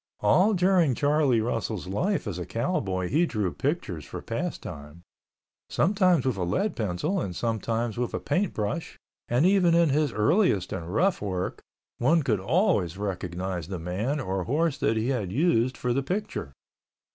All during Charlie Russell's life as a cowboy he drew pictures for pastime—sometimes with a lead pencil and sometimes with a paint brush and even in his earliest and rough work, one could always recognize the man or horse that he had used for the picture.